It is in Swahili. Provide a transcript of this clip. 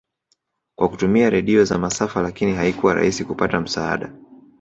kwa kutumia radio za masafa lakini haikuwa rahisi kupata msaada